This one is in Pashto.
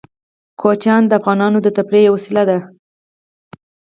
کوچیان د افغانانو د تفریح یوه وسیله ده.